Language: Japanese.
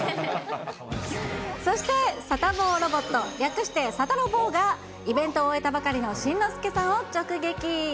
そして、サタボーロボット、略してサタロボーがイベントを終えたばかりの新之助さんを直撃。